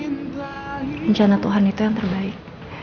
rencana tuhan itu yang terbaik